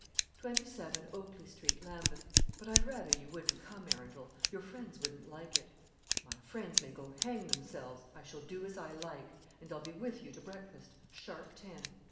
"Twenty seven, Oakley Street, Lambeth. But I'd rather you wouldn't come, Arundel; your friends wouldn't like it." "My friends may go hang themselves. I shall do as I like, and I'll be with you to breakfast, sharp ten."